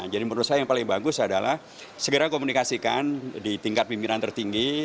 jadi menurut saya yang paling bagus adalah segera komunikasikan di tingkat pimpinan tertinggi